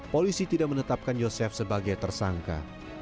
yosef menjadi tersangka